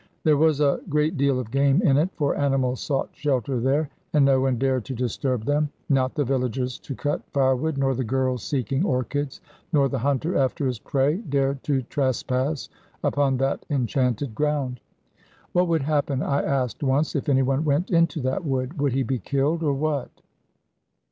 There was a great deal of game in it, for animals sought shelter there, and no one dared to disturb them; not the villagers to cut firewood, nor the girls seeking orchids, nor the hunter after his prey, dared to trespass upon that enchanted ground. 'What would happen,' I asked once, 'if anyone went into that wood? Would he be killed, or what?'